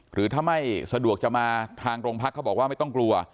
หรือถ้าไม่สะดวกจะมาทางโรงพักเขาบอกว่าไม่ต้องกลัว